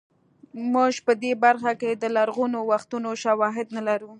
موږ په دې برخه کې د لرغونو وختونو شواهد نه لرو